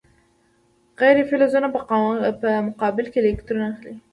غیر فلزونه په مقابل کې الکترون اخلي.